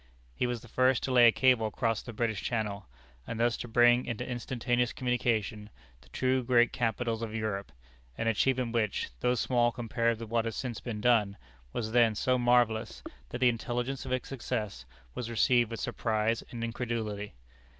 He was the first to lay a cable across the British Channel, and thus to bring into instantaneous communication the two great capitals of Europe an achievement which, though small compared with what has since been done, was then so marvellous, that the intelligence of its success was received with surprise and incredulity.